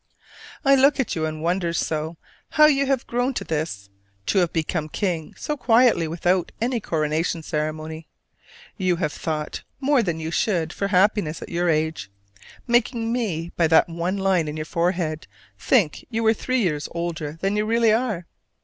I look at you and wonder so how you have grown to this to have become king so quietly without any coronation ceremony. You have thought more than you should for happiness at your age; making me, by that one line in your forehead, think you were three years older than you really are.